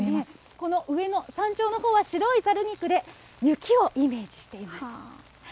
この上の山頂のほうは白いざる菊で雪をイメージしています。